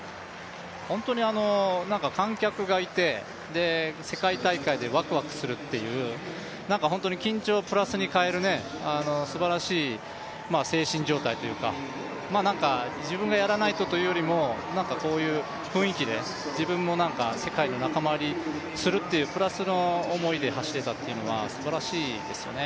本当に観客がいて世界大会でわくわくするっていう緊張をプラスに変えるすばらしい精神状態というか自分がやらないとというよりもこういう雰囲気で自分も世界の仲間入りするというプラスの思いで走れたというのは、すばらしいですよね。